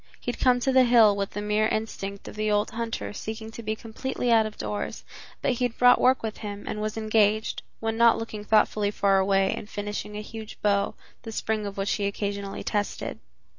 He had come to the hill with the mere instinct of the old hunter seeking to be completely out of doors, but he had brought work with him and was engaged, when not looking thoughtfully far away, in finishing a huge bow, the spring of which he occasionally tested.